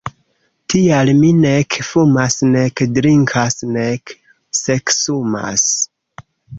Tial mi nek fumas nek drinkas nek seksumas!